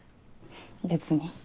別に。